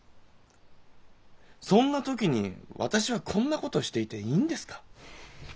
そんな時に私はこんな事していていいんですか？